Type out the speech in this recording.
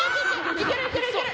いけるいけるいける！